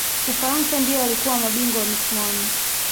ufaransa ndiyo waliyokuwa mabingwa wa michuano